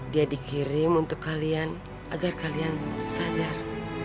dia dikirim untuk kalian agar kalian sadar